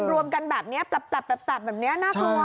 รวมกันแบบนี้ปรับแบบนี้น่ากลัว